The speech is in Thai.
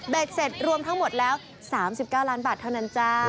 เสร็จรวมทั้งหมดแล้ว๓๙ล้านบาทเท่านั้นจ้า